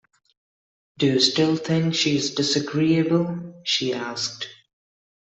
“Do you still think she is disagreeable?” she asked.